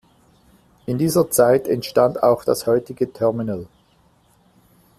In dieser Zeit entstand auch das heutige Terminal.